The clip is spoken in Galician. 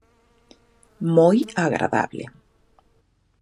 Moi agradable.